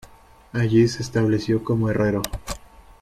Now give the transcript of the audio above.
Allí se estableció como herrero.